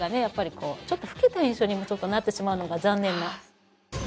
やっぱりこうちょっと老けた印象にもなってしまうのが残念な。